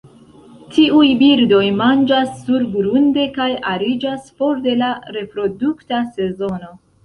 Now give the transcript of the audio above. Tiuj birdoj manĝas surgrunde, kaj ariĝas for de la reprodukta sezono.